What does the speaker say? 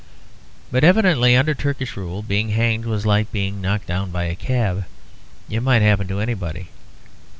But evidently, under Turkish rule, being hanged was like being knocked down by a cab; it might happen to anybody.